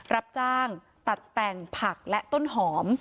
รับจ้างตัดแต่งผักและต้นหอม